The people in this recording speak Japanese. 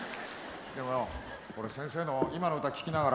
でもよ俺先生の今の歌聴きながらふっと思った。